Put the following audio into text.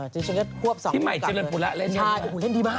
จึงฉันก็ควบสองกำกับเลยใช่อู๋เล่นดีมากพี่ใหม่เจรนภูระเล่นดีมาก